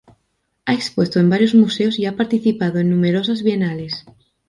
Ha expuesto en varios museos y ha participado en numerosas bienales.